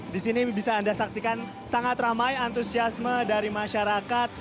di sini bisa anda saksikan sangat ramai antusiasme dari masyarakat